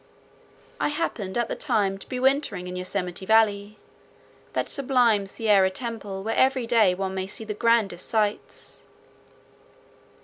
I happened at the time to be wintering in Yosemite Valley, that sublime Sierra temple where every day one may see the grandest sights.